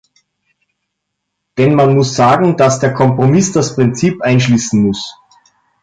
Denn man muss sagen, dass der Kompromiss das Prinzip einschließen muss.